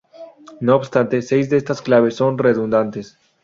No obstante, seis de estas claves son redundantes.